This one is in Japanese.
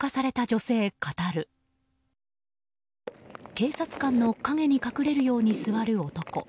警察官の陰に隠れるように座る男。